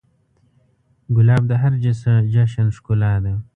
ګلاب د هر جشن ښکلا ده.